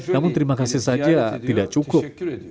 namun terima kasih saja tidak cukup